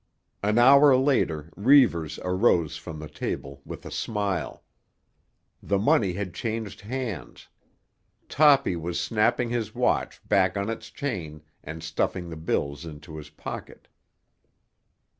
An hour later Reivers arose from the table with a smile. The money had changed hands. Toppy was snapping his watch back on its chain, and stuffing the bills into his pocket.